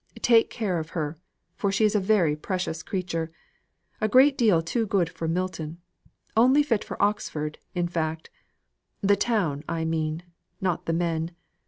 Take care of her, for she is a very precious creature, a great deal too good for Milton only fit for Oxford, in fact. The town, I mean; not the men.